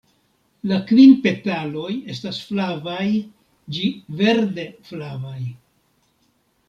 La kvin petaloj estas flavaj ĝi verde-flavaj.